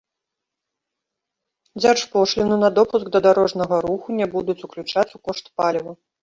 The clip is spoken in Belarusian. Дзяржпошліну на допуск да дарожнага руху не будуць уключаць у кошт паліва.